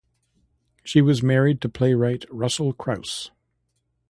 She was married to playwright Russel Crouse.